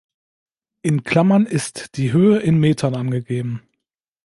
In Klammern ist die Höhe in Metern angegeben.